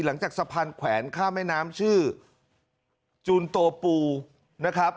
สะพานแขวนข้ามแม่น้ำชื่อจูนโตปูนะครับ